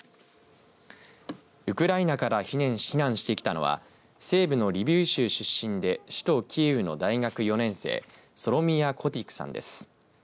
ウクライナから避難してきたのは西部のリビウ州出身で首都キーウの大学４年生、ソロミア・コティクさんです。